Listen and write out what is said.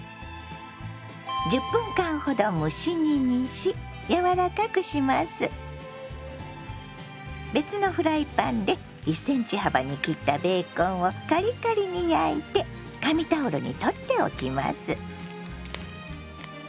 １０分間ほど別のフライパンで１ｃｍ幅に切ったベーコンをカリカリに焼いて紙タオルに取っておきます。